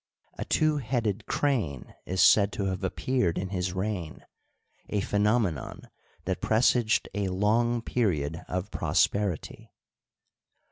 A two headed crane is said to have appeared in his reign— a phenome non that presaged a long period of prosperity.